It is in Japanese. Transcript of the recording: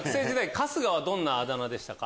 春日はどんなあだ名でしたか？